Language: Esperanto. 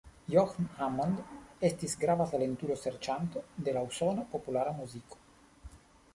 John Hammond estis grava talentulo-serĉanto de la usona populara muziko.